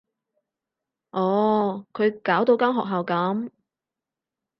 哦，佢搞到間學校噉